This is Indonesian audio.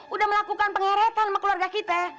udah melakukan pengeretan sama keluarga kita